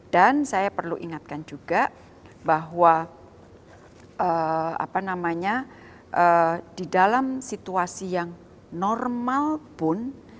dan saya perlu ingatkan juga bahwa apa namanya di dalam situasi yang normal pun